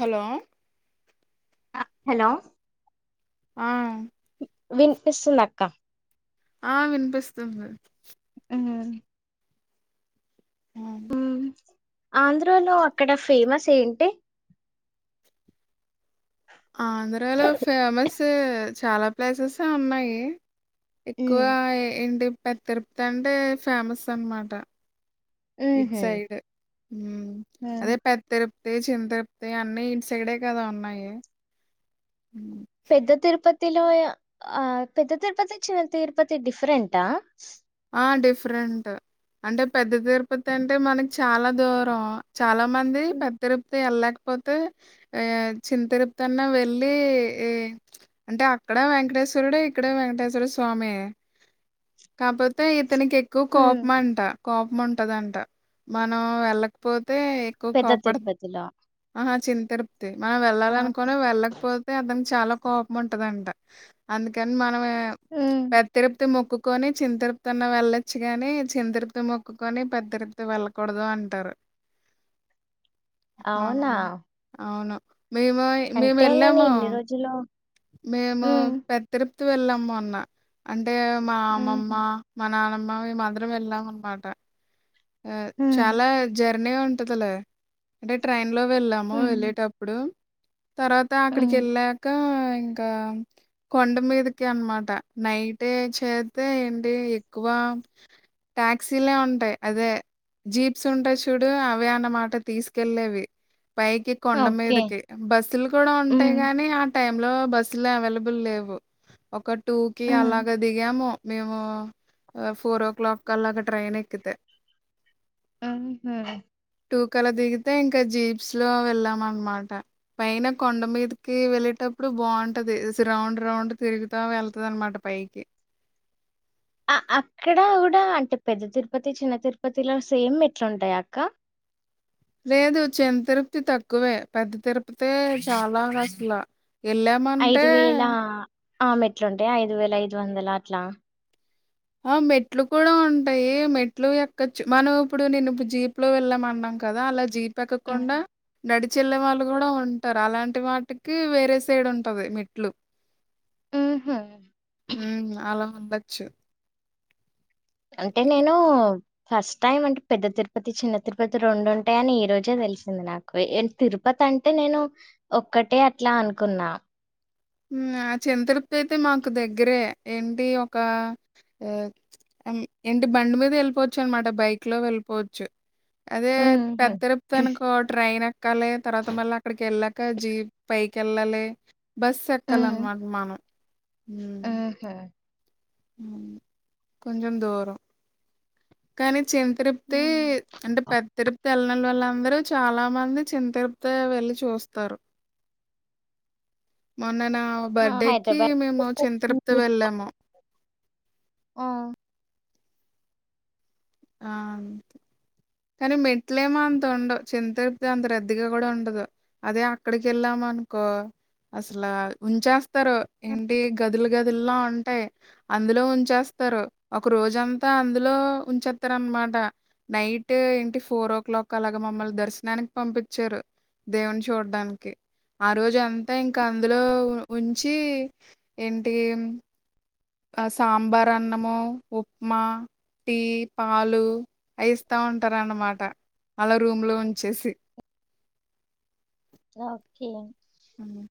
Hello ఆ hello అవు వినిపిస్తుంది అక్క ఆ వినిపిస్తుంది అ ఆ మ్మ్ ఆంధ్రాలో అక్కడ ఫేమస్ ఏంటి ఆంధ్రలో ఫేమస్ చాలా ప్లేసెసే ఉన్నాయి ఎక్కువ ఏంటి [unintelligible] తి అంటే ఫేమస్ అనమాట [unintelligible] ఉహు సైడ్ అదే ప తిరుప్తి చింతప్తి అన్ని ఇన్ సైడే కదా ఉన్నాయి ఉ పెద్ద తిరుపతి లొ ఆ పెద్ద తిరుపతి చిన్న తిరుపతి డిఫరెంట్ ఆ ఆ డిఫరెంట్ అంటే పెద్ద తిరుపతి అంటే మనకి చాల దూరం చాలా మంది పెద్ద [unintelligible] పోతే ఆ [unintelligible] వెళ్ళి ఈ అంటే అక్కడ వెంకటేశ్వరుడే ఇక్కడ వెంకటేశ్వర స్వామి కాపో [unintelligible] ఇతనికి ఎక్కువ మ్మ్ కోపం అంట కోపం ఉంటాదంట మనం వెళ్ళకపోతే పెద్ద తిరపతిల్లో ఆహా చింత [unintelligible] మనం వెళ్ళాలి అనుకుని వెళ్ళకపోతే అతనికి చాలా కోపం ఉంటదంట అందుకని మనమే [unintelligible] మ్మ్ [unintelligible] వెళ్ళొచ్చు గాని చింతరుప్తి మొక్కుకొని పెద్దరుపుతి వెళ్ళకూడదు అంటారు ఆ అవునా అవును మేము మేము అంటే నేను ఎళ్ళము ఇన్ని రోజులు మేము ఉహు పె తిరుప్తి వెళ్ళము అన్న అంటే మా అమ్మమ్మ మా నాన్నమ్మ [unintelligible] వెళ్ళాం అనమాట ఆ చాల జర్నీ ఉంటదిలె అంటే ట్రైన్ లో వెళ్ళాము వెళ్ళేటప్ ఇప్పుడు తర్వాత ఉ అక్కడికి వెళ్ళాక ఇంకా కొండ మీదకి అనమాట నైట్ చేస్త ఏంటి ఎక్కువ టాక్సీలే ఉంటాయ్ అదే జీప్స్ ఉంటాయ్ చూడు అవే అన్నమాట తీసుకెళ్ళేవి పైకి కొండ ఓకే మీదకీ బస్సులు కూడా ఉ ఉంటాయి కాని టై లో బస్సు లో అవైలబుల్ లేవు ఒక టూ కి అలాగ దిగాము మేము ఫోర్ ఓ క్లాక్ క అల్ల అక్కడ ట్రైన్ ఎక్కితే ఉహు టూ [unintelligible] దిగితే ఇంక జీప్స్ లో వెళ్ళాం అనమాట పైన కొండ మీదికి వెళ్ళేటప్పుడు బావుంటది రౌండ్ రౌండ్ తిరుగుతా వెళ్తది అనమాట పైకి అక్కడ కూడా అంటే పెద్ద తిరుపతి చిన్న తిరుపతిలో సేమ్ ఎట్లుంటాయ అక్క లేదు చిన్న తిరుపతి తక్కువే పెద్ద తిరుపతే చాల అసల ఎళ్ళామంటే ఆ మెట్లుంటాయ ఐదు వేల ఐదు వందల అట్లా ఆ మెట్లు కూడా ఉంటాయి మెట్లు ఎక్క మనం ఇప్పుడు నేను ఇప్పుడు జీప్ లో వెళ్ళామ అన్నాం కదా అల జీప్ ఎక్క హ్మ్. కుండా [unintelligible] వాళ్ళు కూడా ఉంటారు అలాంటి వాటికి వేరే సైడ్ ఉంటది మెట్లు ఆహా ఉ అలా ఉండచ్చు అంటే నేను ఫస్ట్ టైమ్ అంటే పెద్ద తిరుపతి చిన్న తిరుపతి రెండు ఉంటాయని ఈ రోజే తెలిసింది నాకు తిరుపతి అంటే నేను ఒక్కటే అట్లా అనుకున్నా ఉ ఆ చిన్న తిరుపతి అయితే మాకు దగ్గరే ఏంటి ఒక ఏంటి బండి మీద వెళ్ళిపోవచ్చు అనమాట బైక్ లో వెళ్ళిపోవచ్చు అదే హుహు. పెద్ద తిరుపతనుకో ట్రైన్ ఎ ఎక్కాలి తర్వాత మళ్ళీ అక్కడికి వెళ్ళాక జీప్ పైకి వెళ్ళాలి బస్సు ఎ ఎక్కాలన్న హ్మ్. మాట మనం ఊహ కొంచం దూరం కానీ చిన్న తిరుపతి హ్మ్. అంటే పెద్ద తిరుపతి వెళ్లలేని వాళ్ళందరూ చాలా మంది చిన్న తిరుపతి వెళ్లి చూస్తారు మొన్న నా ఆ! బర్త్డేకిి హైదరాబాద్ మేము చిన్న తిరుపతి ఉంది. వెళ్ళాము ఆ ఆ కానీ మెట్లేమో అంత ఉండవు చిన్న తిరుపతి అంత రద్దీగా కూడ ఉండదు అదే అక్కడికి ఏళ్ళాం అనుకో అసల ఉంచేస్తారు హ్మ్. ఏంటి గదులు గదుల్లో ఉంటాయి అందులో ఉంచేస్తారు అందులో ఉంచేస్తరు ఒక రోజంతా అందులో ఉంచెత్ స్తార అనమాట నైట్ ఏంటి ఫోర్ ఓ క్లాక్ అలాగా మమ్మల్ని దర్శనానికి పంపించారు దేవుని చూడ్డానికి ఆ రోజ అంతా ఇంకా అందులో ఉంచి ఏంటీ ఆ సాంబార్ అన్నము ఉప్మా టీ పాలు అలా ఇస్తా ఉంటారన్నమాట అలా రూమ్ లో ఉంచేసి ఓకే ఉహు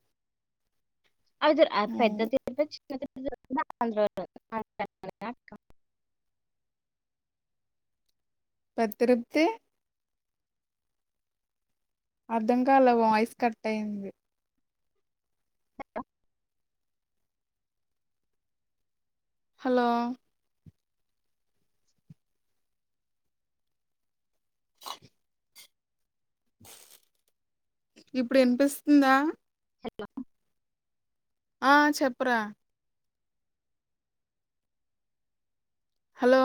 అది ద పెద్ద ఉమ్. తిరుపతి చిన్న తిరుపతి రెండు కూడ ఆంధ్రలోనే ఆంధ్రాలోనే ఉన్నాయా పెద్ద తిరుపతి అర్ధం కాల వాయిస్ కట్ అయింది హలో ఇప్పుడు ఇనిపిస్తుందా హలో ఆ చెప్పురా హలో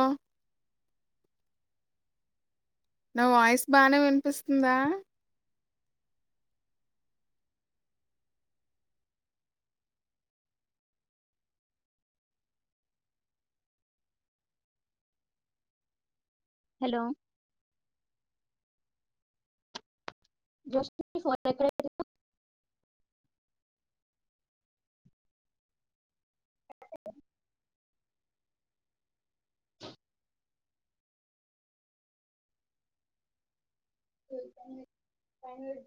నా వాయిస్ బానే వినిపిస్తుందా హలో జ ఫ అ అయితాంది టైం లేదు